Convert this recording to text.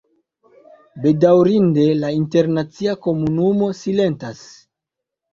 Bedaŭrinde, la internacia komunumo silentas.